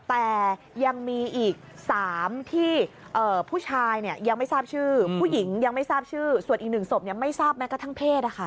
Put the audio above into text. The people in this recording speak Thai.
แต่ยังมีอีก๓ที่ผู้ชายยังไม่ทราบชื่อผู้หญิงยังไม่ทราบชื่อส่วนอีก๑ศพไม่ทราบแม้กระทั่งเพศ